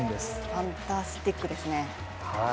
ファンタスティックですね。